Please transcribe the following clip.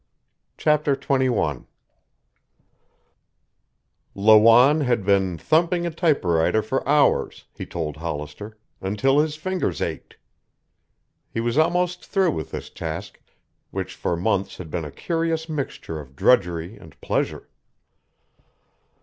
CHAPTER XXI Lawanne had been thumping a typewriter for hours, he told Hollister, until his fingers ached. He was almost through with this task, which for months had been a curious mixture of drudgery and pleasure.